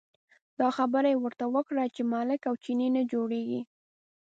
دا خبره یې ورته وکړه چې ملک او چینی نه جوړېږي.